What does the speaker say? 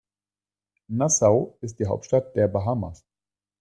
Nassau ist die Hauptstadt der Bahamas.